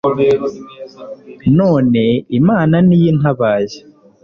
none imana ni yo intabaye